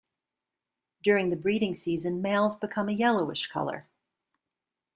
During the breeding season males become a yellowish colour.